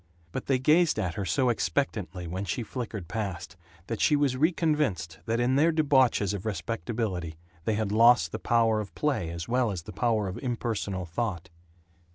But they gazed at her so expectantly when she flickered past that she was reconvinced that in their debauches of respectability they had lost the power of play as well as the power of impersonal thought.